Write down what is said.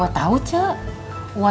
oh itu bagus